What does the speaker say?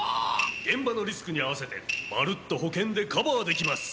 現場のリスクに合わせてまるっと保険でカバーできます！